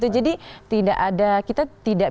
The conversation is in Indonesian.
jadi kita tidak